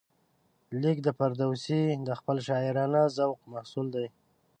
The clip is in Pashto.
لیک د فردوسي د خپل شاعرانه ذوق محصول دی.